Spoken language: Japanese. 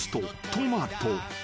トマト］